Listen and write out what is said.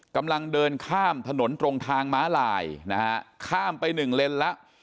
กำลังเดินข้ามถนนตรงทางม้าลายนะฮะข้ามไปหนึ่งเลนแล้ว